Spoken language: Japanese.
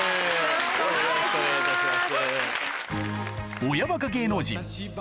よろしくお願いします。